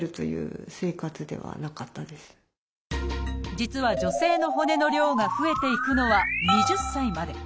実は女性の骨の量が増えていくのは２０歳まで。